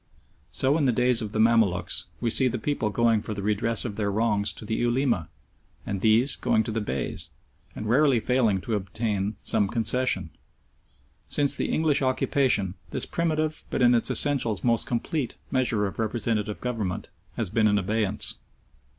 So in the days of the Mamaluks, we see the people going for the redress of their wrongs to the Ulema, and these going to the Beys, and rarely failing to obtain some concession. Since the English occupation this primitive, but in its essentials most complete, measure of representative government, has been in abeyance.